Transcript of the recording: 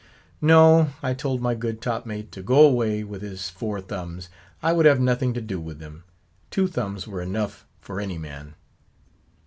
No; I told my good top mate to go away with his four thumbs, I would have nothing to do with them; two thumbs were enough for any man.